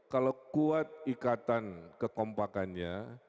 kalau kuat ikatan kekompakannya